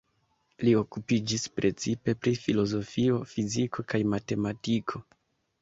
Li okupiĝis precipe pri filozofio, fiziko kaj matematiko.